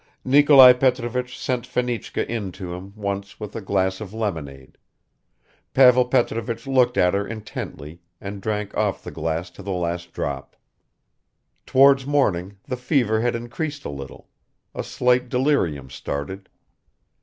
Nikolai Petrovich sent Fenichka in to him once with a glass of lemonade; Pavel Petrovich looked at her intently and drank off the glass to the last drop. Towards morning the fever had increased a little; a slight delirium started.